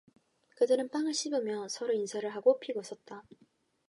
그들은 빵을 씹으며 서로 인사를 하고 픽 웃었다.